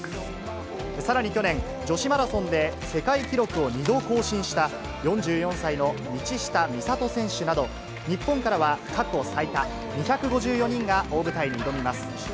さらに去年、女子マラソンで世界記録を２度更新した４４歳の道下美里選手など、日本からは過去最多２５４人が大舞台に挑みます。